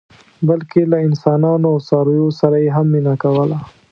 بلکې له انسانانو او څارویو سره یې هم مینه کوله.